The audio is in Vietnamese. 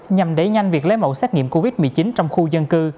nhằm đẩy nhanh việc lấy mẫu xét nghiệm covid một mươi chín trong khu dân cư